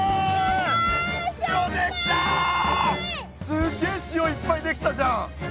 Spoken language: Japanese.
すっげえ塩いっぱい出来たじゃん。